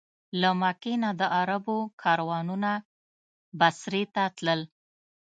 له مکې نه د عربو کاروانونه بصرې ته تلل.